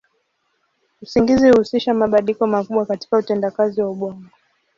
Usingizi huhusisha mabadiliko makubwa katika utendakazi wa ubongo.